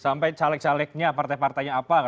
sampai caleg calegnya partai partainya apa